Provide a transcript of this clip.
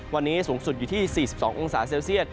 วันนี้สูงสุดอยู่ที่๔๒องศาเซลเซียต